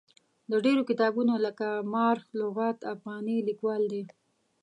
د ډېرو کتابونو لکه ما رخ لغات افغاني لیکوال دی.